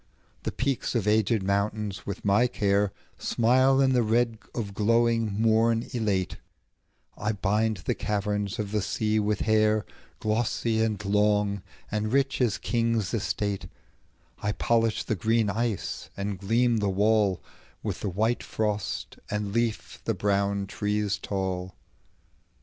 The peaks of aged mountains, with my careSmile in the red of glowing morn elate;I bind the caverns of the sea with hair, Glossy, and long, and rich as kings' estate;I polish the green ice, and gleam the wallWith the white frost, and leaf the brown trees tall.